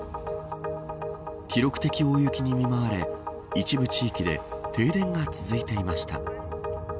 記録的大雪に見舞われ一部地域で停電が続いていました。